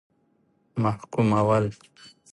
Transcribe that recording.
محکومول.